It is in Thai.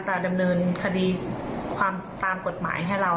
จะดำเนินคดีความตามกฎหมายให้เรา